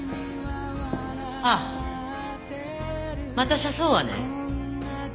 ああまた誘うわね。